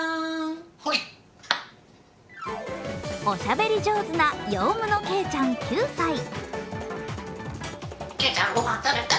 おしゃべり上手なヨウムのケイちゃん９歳。